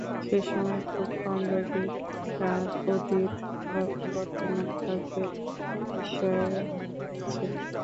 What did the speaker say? সেসময় খুব কম লোকই তার অতীত বা বর্তমান কাজের বিষয়ে আগ্রহী ছিল।